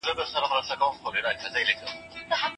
سافټویر انجنیري محصلین په خپلو پښو دروي.